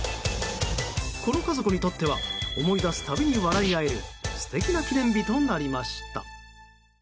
この家族にとっては思い出すたびに笑い合える素敵な記念日となりました。